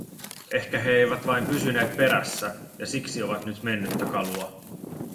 Ehkä he eivät vain pysyneet perässä, ja siksi ovat nyt mennyttä kalua.